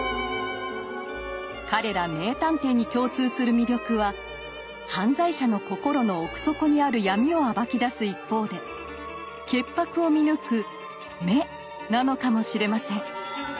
彼ら名探偵に共通する魅力は犯罪者の心の奥底にある闇を暴き出す一方で潔白を見抜く「眼」なのかもしれません。